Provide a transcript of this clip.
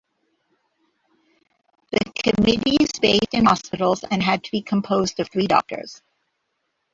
The committees were based in hospitals and had to be composed of three doctors.